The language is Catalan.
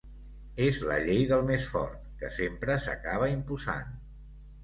És la llei del més fort, que sempre s’acaba imposant.